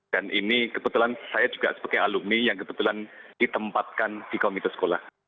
dan ini kebetulan saya juga sebagai alumni yang kebetulan ditempatkan di komite sekolah